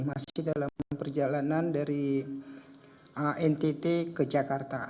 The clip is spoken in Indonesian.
masih dalam perjalanan dari antt ke jakarta